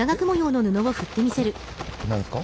何ですか？